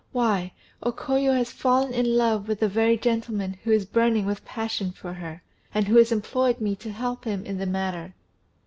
Why, O Koyo has fallen in love with the very gentleman who is burning with passion for her, and who has employed me to help him in the matter.